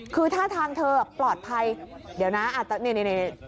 คือท่าทางเธอปลอดภัยเดี๋ยวนะอาจจะนี่